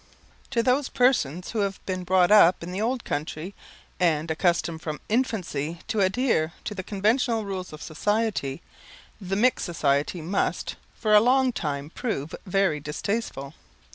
To those persons who have been brought up in the old country, and accustomed from infancy to adhere to the conventional rules of society, the mixed society must, for a long time, prove very distasteful.